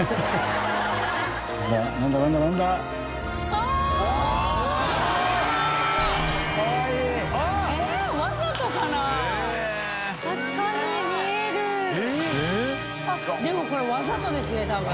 あっでもこれわざとですね多分。